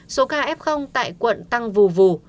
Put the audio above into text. số ca f tại quận tăng vù vù